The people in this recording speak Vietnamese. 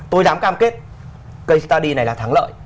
tôi dám cam kết k study này là thắng lợi